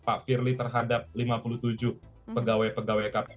pak firly terhadap lima puluh tujuh pegawai pegawai kpk